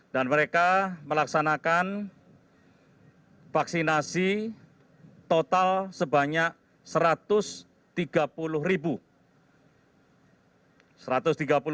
dan mereka melaksanakan vaksinasi total sebanyak satu ratus tiga puluh ribu